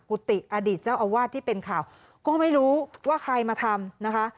กุฏิอดีตเจ้าอาวาสที่เป็นข่าวก็ไม่รู้ว่าใครมาทำนะคะ